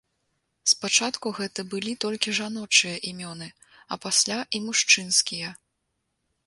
Спачатку гэта былі толькі жаночыя імёны, а пасля і мужчынскія.